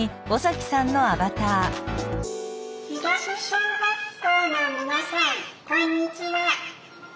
東小学校の皆さんこんにちは。